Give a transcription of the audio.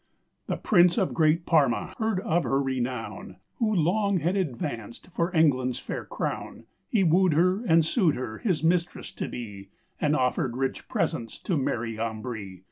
The Prince of Great Parma heard of her renowne, Who long had advanced for England's fair crowne; Hee wooed her and sued her his mistress to bee, And offered rich presents to Mary Ambree.